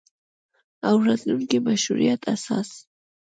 او راتلونکي مشروعیت اساس